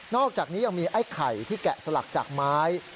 อกจากนี้ยังมีไอ้ไข่ที่แกะสลักจากไม้